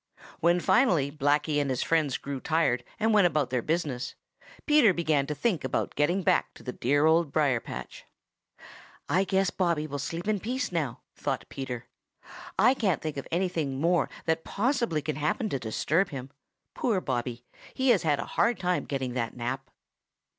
When finally Blacky and his friends grew tired and went about their business, Peter began to think of getting back to the dear Old Briar patch. "I guess Bobby will sleep in peace now," thought Peter. "I can't think of anything more that possibly can happen to disturb him. Poor Bobby. He has had a hard time getting that nap."